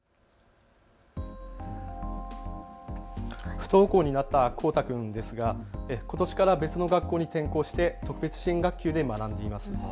不登校になったコウタ君ですがことしから別の学校に転校して特別支援学級で学んでいます。